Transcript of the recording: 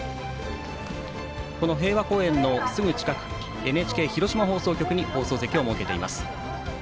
この平和公園のすぐ近くＮＨＫ広島放送局に放送席を設けています。